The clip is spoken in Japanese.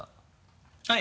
はい。